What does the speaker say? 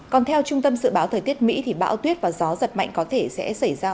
còn theo trung tâm dự báo thời tiết mỹ thì bão tuyết và gió giật mạnh có thể sẽ xảy ra